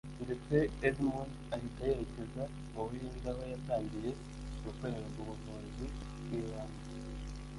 ndetse Edmund ahita yerekeza mu Buhinde aho yatangiye gukorerwa ubuvuzi bw’ibanze